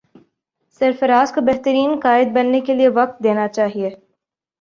سرفراز کو بہترین قائد بننے کے لیے وقت دینا چاہیے